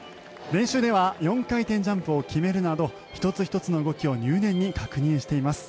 練習では４回転ジャンプを決めるなど１つ１つの動きを入念に確認しています。